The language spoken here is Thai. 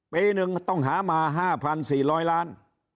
ปีหนึ่งต้องหามาห้าพันสี่ร้อยล้าน